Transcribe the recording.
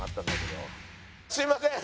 すいません。